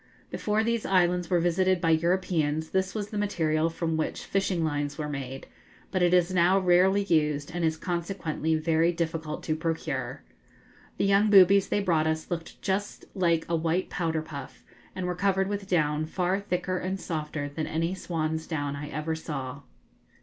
Before these islands were visited by Europeans, this was the material from which fishing lines were made; but it is now rarely used, and is consequently very difficult to procure. The young boobies they brought us looked just like a white powder puff, and were covered with down far thicker and softer than any swan's down I ever saw.